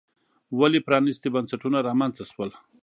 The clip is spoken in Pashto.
ولې پرانیستي بنسټونه رامنځته شول.